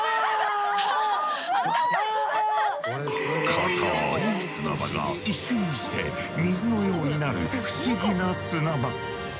固い砂場が一瞬にして水のようになる不思議な砂場。